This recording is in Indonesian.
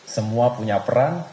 semua punya peran